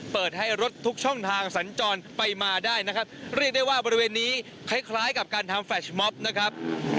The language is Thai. เปิดให้รถทุกช่องทางสัญจรไปมาได้นะครับเรียกได้ว่าบริเวณนี้คล้ายคล้ายกับการทำแฟชม็อบนะครับ